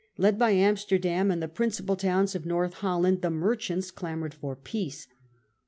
Led by Amsterdam and the principal tojyns of North Holland, the merchants clamoured for peace.